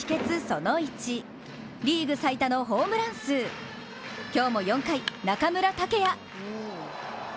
その１、リーグ最多のホームラン数、今日も４回、中村剛也！